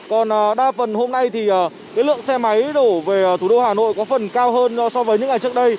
lượng ô tô đổ về thủ đô hà nội có phần cao hơn so với những ngày trước đây